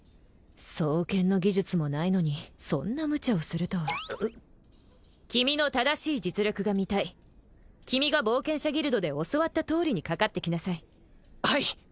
双剣の技術もないのにそんなムチャをするとは君の正しい実力が見たい君が冒険者ギルドで教わったとおりにかかってきなさいはい！